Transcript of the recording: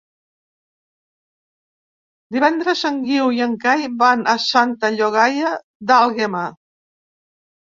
Divendres en Guiu i en Cai van a Santa Llogaia d'Àlguema.